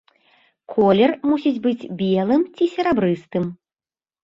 Колер мусіць быць белым ці серабрыстым.